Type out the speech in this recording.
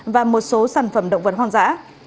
và một số sản phẩm động vật hoang dã